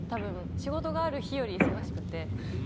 仕事がある日より忙しくて。